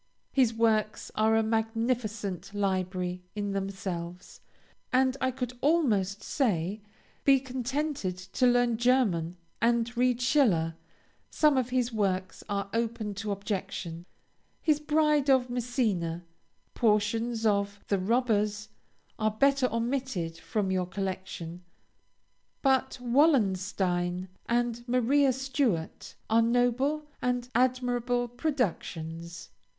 His works are a magnificent library in themselves and I could almost say, be contented to learn German and to read Schiller. Some of his works are open to objection, his "Bride of Messina," portions of "The Robbers," are better omitted from your collection, but "Wallenstein" and "Maria Stuart" are noble and admirable productions.